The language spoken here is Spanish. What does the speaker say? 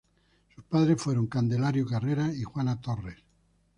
Sus padres fueron Candelario Carrera y Juana Torres.